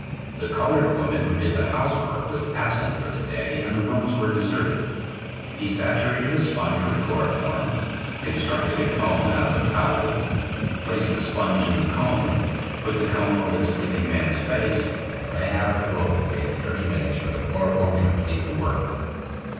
The colored woman who did the housework was absent for the day and the rooms were deserted. He saturated a sponge with chloroform, constructed a cone out of a towel, placed the sponge in the cone, put the cone over the sleeping man's face and ran out of the room and waited thirty minutes for the chloroform to complete the work.